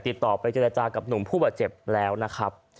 ติดต่อไปเจรจากับหนุ่มผู้บาดเจ็บแล้วนะครับ